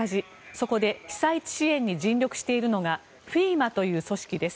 そこで被災地支援に尽力しているのがＦＥＭＡという組織です。